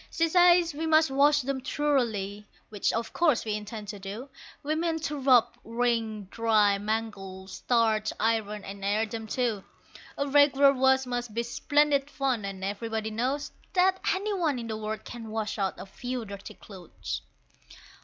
She says we must wash them thoroughly, which of course we intend to do, We mean to rub, wring, dry, mangle, starch, iron, and air them too. A regular wash must be splendid fun, and everybody knows That any one in the world can wash out a few dirty clothes.